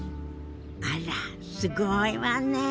あらすごいわね。